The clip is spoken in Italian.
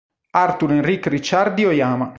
Arthur Henrique Ricciardi Oyama